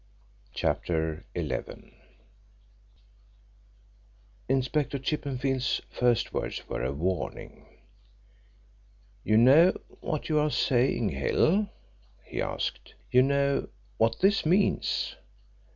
CHAPTER XI Inspector Chippenfield's first words were a warning. "You know what you are saying, Hill?" he asked. "You know what this means?